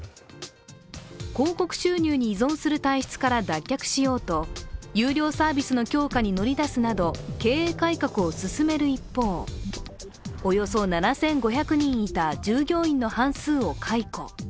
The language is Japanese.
広告収入に依存する体質から脱却しようと有料サービスの強化に乗り出すなど経営改革を進める一方、およそ７５００人いた従業員の半数を解雇。